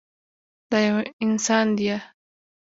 دا يو انسان ديه.